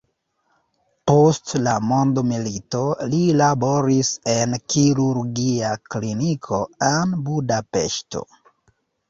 Post la mondomilito li laboris en kirurgia kliniko en Budapeŝto.